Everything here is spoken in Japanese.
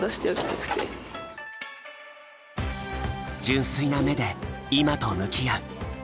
純粋な目で今と向き合う。